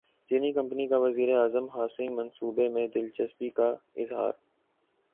چینی کمپنی کا وزیر اعظم ہاسنگ منصوبے میں دلچسپی کا اظہار